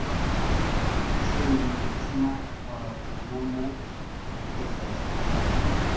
ikiri mu mutima wawe no mu bitekerezo byawe